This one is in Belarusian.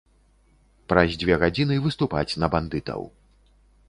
Праз дзве гадзіны выступаць на бандытаў.